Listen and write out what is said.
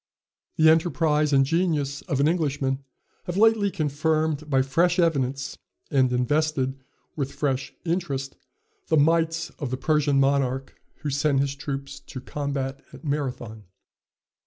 The enterprise and genius of an Englishman have lately confirmed by fresh evidence, and invested with fresh interest, the might of the Persian monarch who sent his troops to combat at Marathon.